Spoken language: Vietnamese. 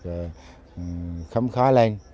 thì không khó lên